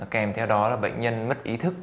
kèm theo đó là bệnh nhân mất ý thức